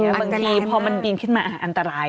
บางทีพอมันบินขึ้นมาอันตราย